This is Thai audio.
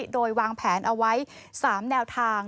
โดยวางแผนเอาไว้๓แนวทาง